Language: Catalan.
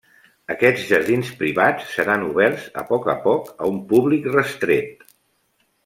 Aquests jardins privats seran oberts a poc a poc a un públic restret.